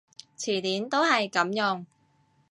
詞典都係噉用